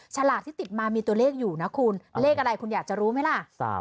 ฉลากที่ติดมามีตัวเลขอยู่นะคุณเลขอะไรคุณอยากจะรู้ไหมล่ะ